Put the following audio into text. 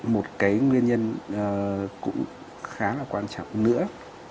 một cái nguyên nhân cũng khá là quan trọng nữa